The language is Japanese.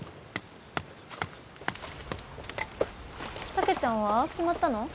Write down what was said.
たけちゃんは決まったの？